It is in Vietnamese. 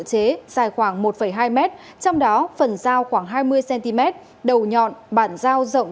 chỉ vì mâu thuẫn cá nhân trong cuộc sống